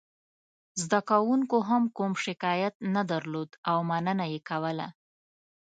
زده کوونکو هم کوم شکایت نه درلود او مننه یې کوله.